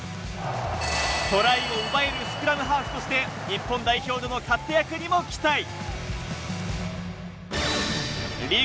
トライを奪えるスクラムハーフとして日本代表での活躍にも期待。